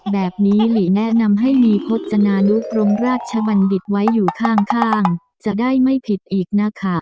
แบบนี้หลีแนะนำให้มีพจนานุกรมราชบัณฑิตไว้อยู่ข้างจะได้ไม่ผิดอีกนะคะ